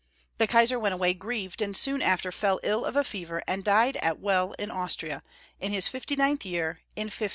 The Kaisar went away grieved, and soon after fell ill of a fever, and died at Well in Austria, in his fifty ninth year, in 1519.